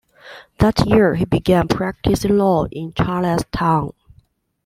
That year, he began practicing law in Charlestown.